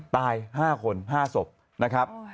ตาย๕คน๕ศพนะครับ